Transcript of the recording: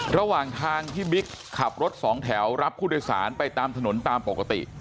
ระหว่างทางที่บิ๊กขับรถสองแถวรับผู้โดยสารไปตามถนนตามปกติ